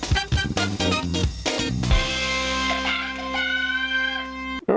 อืม